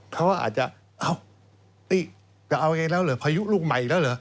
เขาอาจจะ